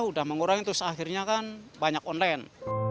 udah mengurangi terus akhirnya kan banyak online